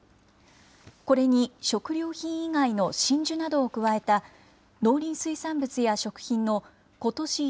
これに食料品以外の真珠などを加えた農林水産物や食品のことし１